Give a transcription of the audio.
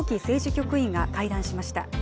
局員が会談しました。